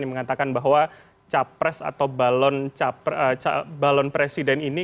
yang mengatakan bahwa capres atau balon presiden ini